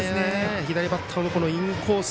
左バッターのインコース。